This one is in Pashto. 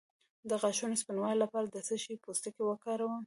د غاښونو سپینولو لپاره د څه شي پوستکی وکاروم؟